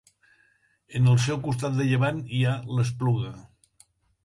En el seu costat de llevant hi ha l'Espluga.